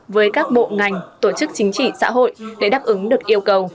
với các bộ ngành tổ chức chính trị xã hội để đáp ứng được yêu cầu